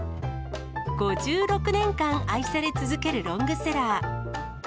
５６年間愛され続けるロングセラー。